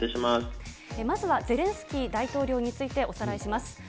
まずはゼレンスキー大統領についておさらいします。